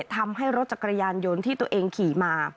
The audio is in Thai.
ทำให้รถจักรยานยนต์ที่ตัวเองขี่มา